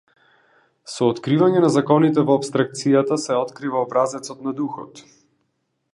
Со откривање на законите во апстракцијата се открива образецот на духот.